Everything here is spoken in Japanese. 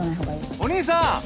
お兄さん！